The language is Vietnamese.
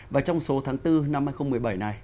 và trong số tháng bốn năm hai nghìn một mươi bảy này